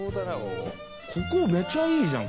ここ、めちゃいいじゃん。